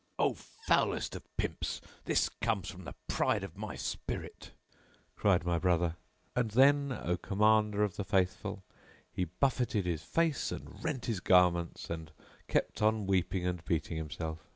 'O foulest of pimps,[FN#669] this comes from the pride of my spirit'" cried my brother; and then, O Commander of the Faithful, he buffeted his face and rent his garments and kept on weeping and beating himself.